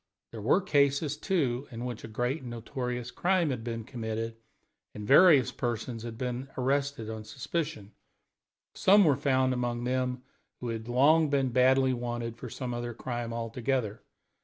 There were cases, too, in which, when a great and notorious crime had been committed, and various persons had been arrested on suspicion, some were found among them who had long been badly wanted for some other crime altogether.